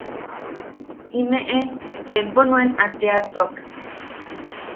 Imeʼe bempo nuan a teatuak.